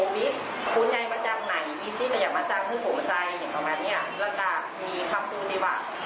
นับรอต่อชัยต่อไป